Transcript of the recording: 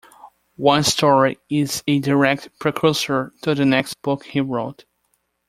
One story is a direct precursor to the next book he wrote.